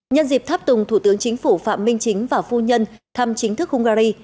nhân dịp tháp tùng thủ tướng chính phủ phạm minh chính và phu nhân thăm chính thức hungary